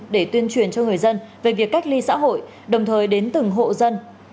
để tuyên truyền cho người dân về việc cách ly xã hội đồng thời đến từng hộ dân